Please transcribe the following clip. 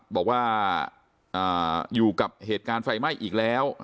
บอกว่าอยู่กับเหตุการณ์ไฟไหม้อีกแล้ว